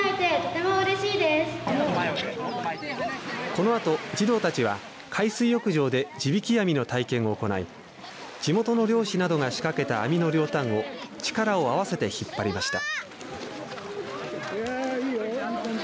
このあと児童たちは海水浴場で地引き網の体験を行い地元の漁師などが仕掛けた網の両端を力を合わせて引っ張りました。